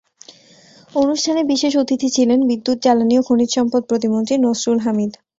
অনুষ্ঠানে বিশেষ অতিথি ছিলেন বিদ্যুৎ, জ্বালানি ও খনিজসম্পদ প্রতিমন্ত্রী নসরুল হামিদ।